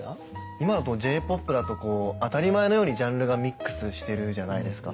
今だとＪポップだと当たり前のようにジャンルがミックスしてるじゃないですか。